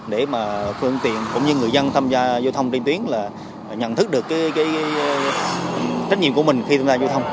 để mà phương tiện cũng như người dân tham gia lưu thông trên tuyến là nhận thức được cái trách nhiệm của mình khi tham gia lưu thông